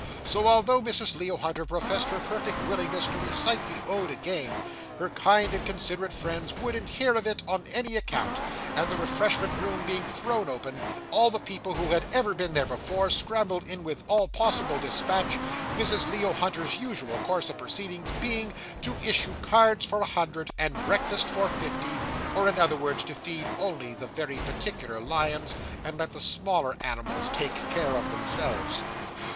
So although Mrs. Leo Hunter professed her perfect willingness to recite the ode again, her kind and considerate friends wouldn't hear of it on any account; and the refreshment room being thrown open, all the people who had ever been there before, scrambled in with all possible despatch Mrs. Leo Hunter's usual course of proceedings being, to issue cards for a hundred, and breakfast for fifty, or in other words to feed only the very particular lions, and let the smaller animals take care of themselves.